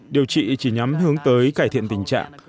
điều trị chỉ nhắm hướng tới cải thiện tình trạng